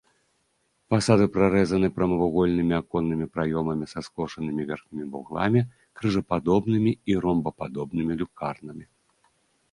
Фасады прарэзаны прамавугольнымі аконнымі праёмамі са скошанымі верхнімі вугламі, крыжападобнымі і ромбападобнымі люкарнамі.